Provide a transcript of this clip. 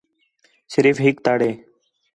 صرف ہِک تَڑ ہِے